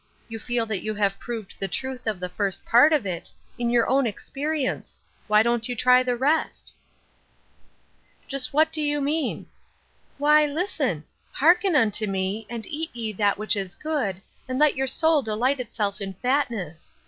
You feel that you have proved the truth of the first part of it, in your own experience Why don't you try the rest ?"" Just what do you mean ?"" Why, listen ;' Hearken unto me, and eat ye that which is good, and let your soul delight itself in fatness.'